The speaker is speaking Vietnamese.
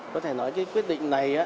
có thể nói cái quyết định này